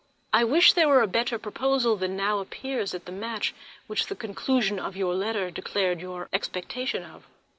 I wish there were a better prospect than now appears of the match which the conclusion of your letter declares your expectations of.